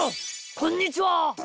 こんにちは！